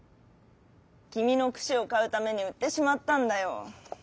「きみのくしをかうためにうってしまったんだよ。